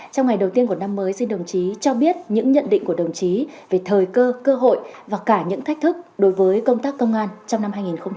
trong ngày đầu tiên của năm mới xin đồng chí cho biết những nhận định của đồng chí về thời cơ hội và cả những thách thức đối với công tác công an trong năm hai nghìn hai mươi ba